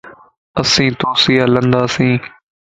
اسين تو سين ھلنداسين